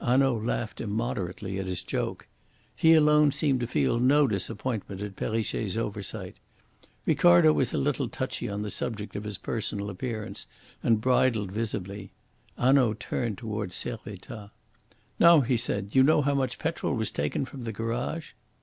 Hanaud laughed immoderately at his joke. He alone seemed to feel no disappointment at Perrichet's oversight. Ricardo was a little touchy on the subject of his personal appearance, and bridled visibly. Hanaud turned towards Servettaz. "Now," he said, "you know how much petrol was taken from the garage?"